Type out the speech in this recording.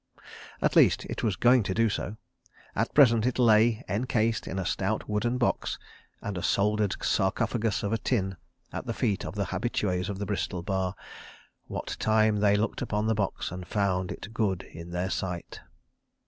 At least, it was going to do so. At present it lay, encased in a stout wooden box and a soldered sarcophagus of tin, at the feet of the habitués of the Bristol Bar, what time they looked upon the box and found it good in their sight.